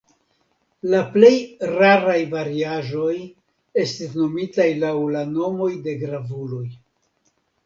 La plej raraj variaĵoj estis nomitaj laŭ la nomoj de gravuloj.